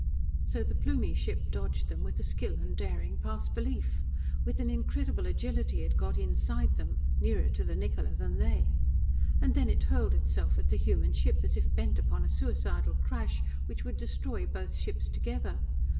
So the Plumie ship dodged them with a skill and daring past belief. With an incredible agility it got inside them, nearer to the Niccola than they. And then it hurled itself at the human ship as if bent upon a suicidal crash which would destroy both ships together.